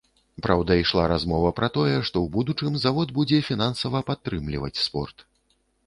Праўда, ішла размова пра тое, што ў будучым завод будзе фінансава падтрымліваць спорт.